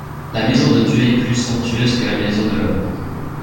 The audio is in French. La maison de Dieu est plus somptueuse que la maison de l'homme.